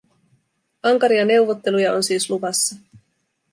Ankaria neuvotteluja on siis luvassa.